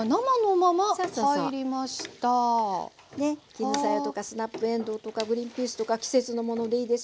絹さやとかスナップえんどうとかグリンピースとか季節のものでいいですよ。